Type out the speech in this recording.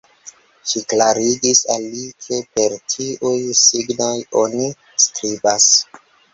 Ŝi klarigis al li, ke per tiuj signoj oni skribas.